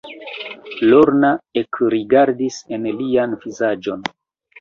Lorna ekrigardis en lian vizaĝon.